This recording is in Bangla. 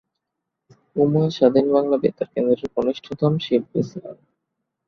উমা স্বাধীন বাংলা বেতার কেন্দ্রের কনিষ্ঠতম শিল্পী ছিলেন।